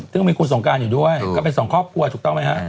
ซึ่งก็มีคุณสงการอยู่ด้วยก็เป็นสองครอบครัวถูกต้องไหมฮะ